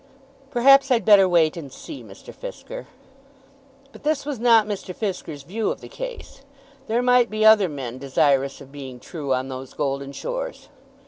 "Perhaps I'd better wait and see, Mr. Fisker." But this was not Mr. Fisker's view of the case. There might be other men desirous of being true on those golden shores.